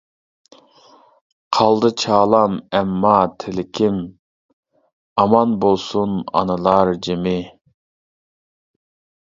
قالدى چالام ئەمما تىلىكىم، ئامان بولسۇن ئانىلار جىمى.